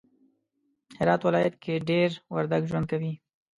هرات ولایت کی دیر وردگ ژوند کوی